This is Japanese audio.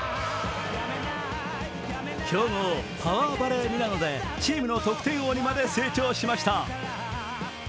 強豪パワーバレー・ミラノでチームの得点王にまで成長しました。